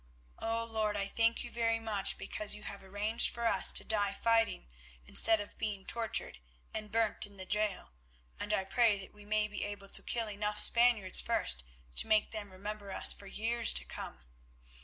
O Lord, I thank you very much because you have arranged for us to die fighting instead of being tortured and burnt in the gaol, and I pray that we may be able to kill enough Spaniards first to make them remember us for years to come.